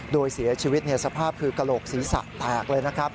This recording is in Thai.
โดยเสียชีวิตสภาพคือกระโหลกศีรษะแตกเลยนะครับ